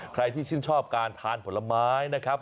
ใครที่ชื่นชอบการทานผลไม้นะครับ